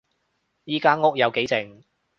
依間屋有幾靜